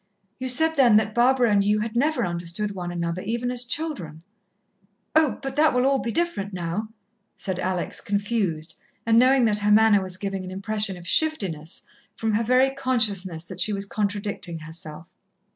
You said then that Barbara and you had never understood one another even as children." "Oh, but that will all be different now," said Alex, confused, and knowing that her manner was giving an impression of shiftiness from her very consciousness that she was contradicting herself.